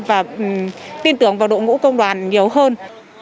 và tin tưởng vào đội ngũ công đoàn nhiều hơn